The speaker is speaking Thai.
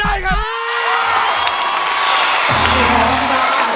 ได้ครับ